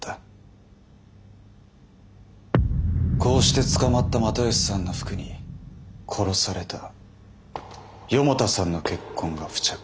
こうして捕まった又吉さんの服に殺された四方田さんの血痕が付着した。